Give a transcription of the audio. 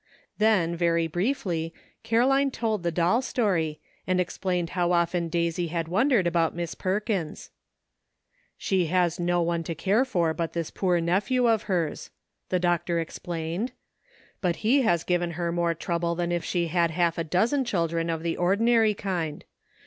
Then, very briefly, Caroline told the doll story, and explained how often Daisy had wondered about Miss Perkins. '' She has no one to care for but this poor nephew of hers," the doctor explained; "but he has given her more trouble than if she had half a dozen children of the ordinary kind.